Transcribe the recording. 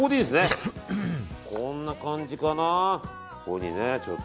こんな感じかな。